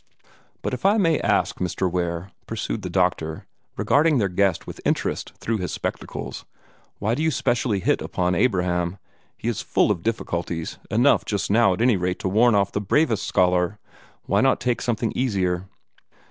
"But if I may ask, Mr. Ware," pursued the doctor, regarding their guest with interest through his spectacles, "why do you specially hit upon Abraham? He is full of difficulties enough, just now, at any rate, to warn off the bravest scholar. Why not take something easier?"